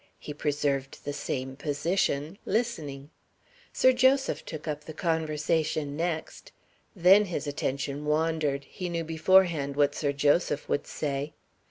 He preserved the same position, listening. Sir Joseph took up the conversation next. Then his attention wandered he knew beforehand what Sir Joseph would say.